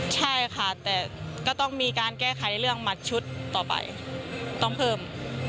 ใช่ค่ะแต่ก็ต้องมีการแก้ไขเรื่องหมัดชุดต่อไปต้องเพิ่ม